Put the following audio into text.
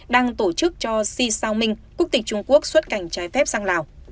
đang tổ chức cho si sao minh quốc tịch trung quốc xuất cảnh trái phép sang lào